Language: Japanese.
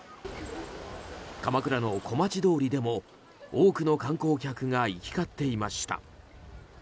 鎌倉の小町通でも多くの観光客が行き交っていました。